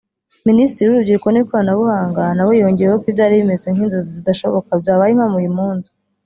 Minisitiri w’Urubyiruko n’Ikoranabuhanga na we yongeyeho ko ibyari bimeze nk’inzozi zidashoboka byabaye impamo uyu munsi